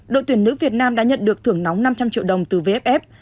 đội tuyển nữ việt nam đã nhận được thưởng nóng năm trăm linh triệu đồng từ vff